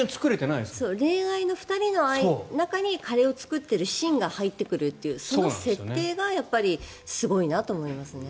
恋愛の２人の間にカレーを作っているシーンが入ってくるという、その設定がすごいなと思いますね。